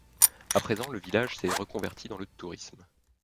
À présent, le village s'est reconverti dans le tourisme.